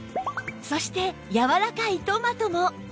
そして柔らかいトマトも